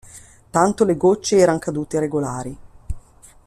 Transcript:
Tanto le gocce eran cadute regolari.